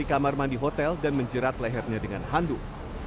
dia juga mencoba mencoba mandi hotel dan menjerat lehernya dengan handuk